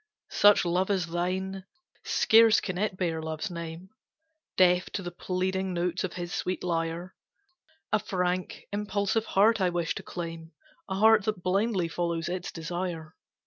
Such love as thine, scarce can it bear love's name, Deaf to the pleading notes of his sweet lyre, A frank, impulsive heart I wish to claim, A heart that blindly follows its desire.